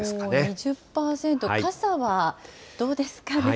２０％、傘はどうですかね。